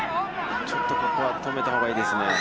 ちょっと、ここは止めたほうがいいですね。